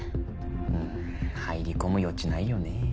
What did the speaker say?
うん入り込む余地ないよね。